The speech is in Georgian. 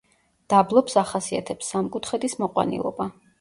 დაბლობს ახასიათებს სამკუთხედის მოყვანილობა.